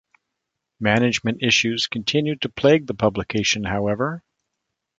Management issues continued to plague the publication, however.